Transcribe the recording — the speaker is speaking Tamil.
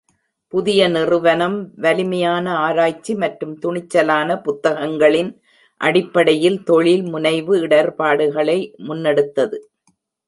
புதிய நிறுவனம் வலிமையான ஆராய்ச்சி மற்றும் துணிச்சலான புத்தாக்கங்களின் அடிப்படையில் தொழில்முனைவு இடர்பாடுகளை முன்னெடுத்தது.